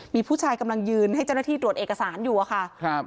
มีผู้ชายกำลังยืนให้เจ้าหน้าที่ตรวจเอกสารอยู่อะค่ะครับ